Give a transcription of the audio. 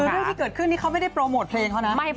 เรื่องที่เกิดขึ้นนี่เขาไม่ได้โปรโมทเพลงเขานะ